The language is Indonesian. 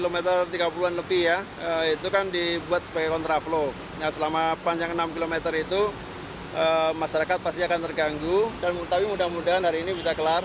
masyarakat pasti akan terganggu tapi mudah mudahan hari ini bisa kelar